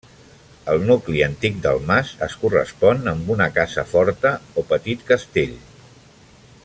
El nucli antic del mas es correspon amb una casa forta o petit castell.